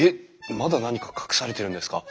まだ何か隠されてるんですか？